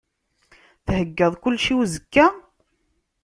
Theyyaḍ kullec i uzekka?